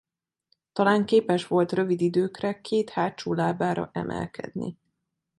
Talán képes volt rövid időkre két hátsó lábára emelkedni.